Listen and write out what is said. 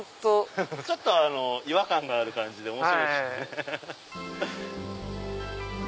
ちょっと違和感がある感じで面白いですよね。